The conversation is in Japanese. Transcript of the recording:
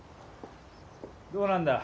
どうなんだ？